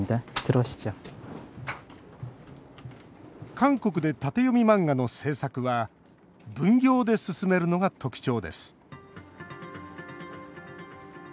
韓国で縦読み漫画の制作は分業で進めるのが特徴です